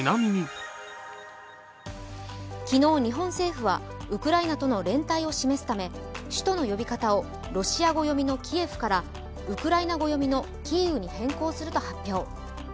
昨日、日本政府はウクライナとの連帯を示すため首都の呼び方をロシア語読みの「キエフ」からウクライナ語読みの「キーウ」に変更すると発表。